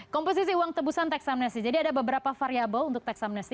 komposisi uang tebusan teksamnesti jadi ada beberapa variable untuk teksamnesti